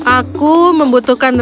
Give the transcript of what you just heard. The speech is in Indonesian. aku membutuhkan penyihir